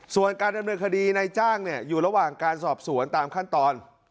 ส่วนการดำเนินคดีในจ้างอยู่ระหว่างการสอบสวนตามขั้นตอน